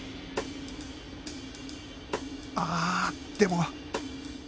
ああでも